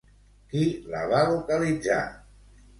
Qui la va localitzar?